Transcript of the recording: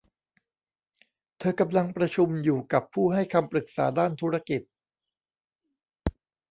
เธอกำลังประชุมอยู่กับผู้ให้คำปรึกษาด้านธุรกิจ